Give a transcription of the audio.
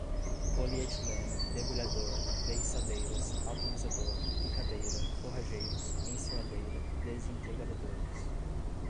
polietileno, debulhador, derriçadeiras, atomizador, picadeira, forrageiros, ensiladeira, desintegradores